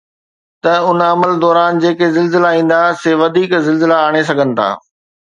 ته ان عمل دوران جيڪي زلزلا ايندا، سي وڌيڪ زلزلا آڻي سگهن ٿا